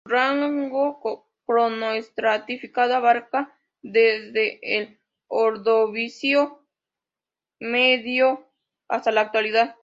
Su rango cronoestratigráfico abarca desde el Ordovícico medio hasta la Actualidad.